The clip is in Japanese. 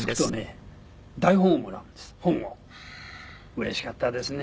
うれしかったですね